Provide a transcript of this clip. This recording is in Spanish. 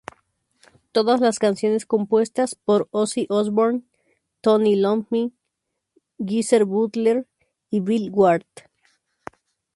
Todas las canciones compuestas por Ozzy Osbourne, Tony Iommi, Geezer Butler y Bill Ward.